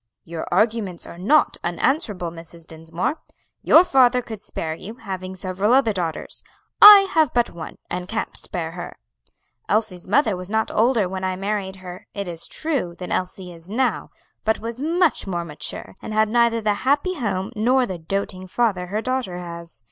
"Your arguments are not unanswerable, Mrs. Dinsmore. Your father could spare you, having several other daughters; I have but one, and can't spare her. Elsie's mother was not older when I married her, it is true, than Elsie is now, but was much more mature, and had neither the happy home nor the doting father her daughter has.